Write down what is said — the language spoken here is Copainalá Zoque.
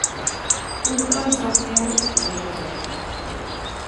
ʼÄjtaʼm ndsokyajuʼt teʼ yomodaʼm.